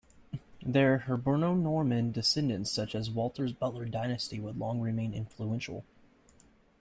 Their Hiberno-Norman descendants, such as Walter's Butler dynasty, would long remain influential.